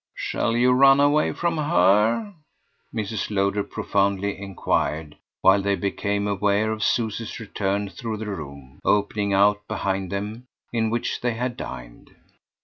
"Shall you run away from HER?" Mrs. Lowder profoundly enquired, while they became aware of Susie's return through the room, opening out behind them, in which they had dined.